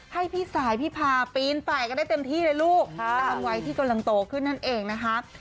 ให้พี่สายพี่พาปีนไปกันได้เต็มที่เลยลูกตามวัยที่กำลังโตขึ้นนั่นเองนะคะ